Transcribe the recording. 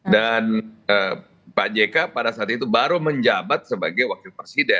dan pak jk pada saat itu baru menjabat sebagai wakil